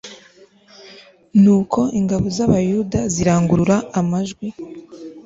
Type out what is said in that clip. Nuko ingabo z Abayuda zirangurura amajwi